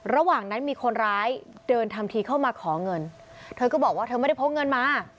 ระหว่างนั้นมีคนร้ายเดินทำทีเข้ามาขอเงินเธอก็บอกว่าเธอไม่ได้พกเงินมา